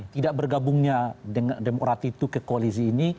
kenapa hubungnya dengan demokrat itu ke koalisi ini